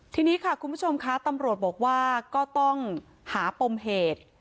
ทีนี้ค่ะคุณผู้ชมคะตำรวจบอกว่าก็ต้องหาปมเหตุ